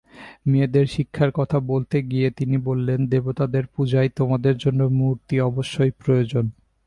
মেয়েদের শিক্ষার কথা বলতে গিয়ে তিনি বললেন দেবতাদের পূজায় তোমাদের জন্য মূর্তি অবশ্যই প্রয়োজন।